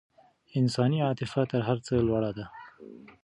انساني عاطفه تر هر څه لوړه ده.